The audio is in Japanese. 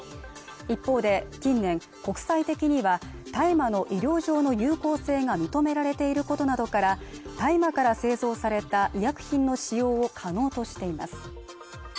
一方で近年国際的には大麻の医療上の有効性が認められていることなどから大麻から製造された医薬品の使用を可能としています